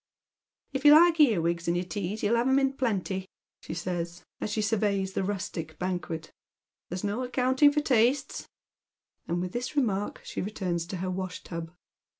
"If you like earwigs in your teas you'll have 'em in plenty," she says, as she surveys the rustic banquet. "There's no accounting for tastes ;" and with this remark she returns to her wash tub.